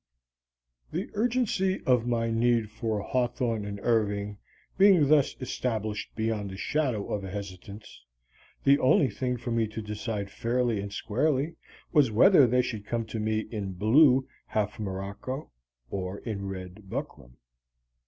The urgency of my need for Hawthorne and Irving being thus established beyond the shadow of a hesitance, the only thing for me to decide fairly and squarely was whether they should come to me in blue half morocco or in red buckram.